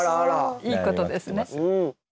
いいことですね。